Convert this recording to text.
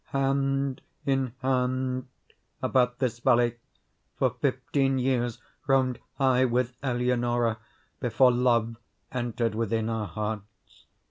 Hand in hand about this valley, for fifteen years, roamed I with Eleonora before Love entered within our hearts.